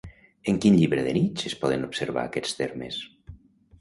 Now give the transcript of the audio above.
En quin llibre de Nietzsche es poden observar aquests termes?